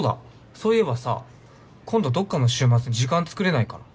そういえばさ今度どっかの週末時間つくれないかな？